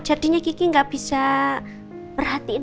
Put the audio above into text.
jadinya kiki gak bisa perhatiin